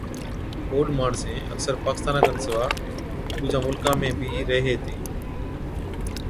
اوڏ ماڻسين اڪثر پاڪستانا کن سِوا ڏُوجا مُلڪا ۾ بِي ريهين هِتين،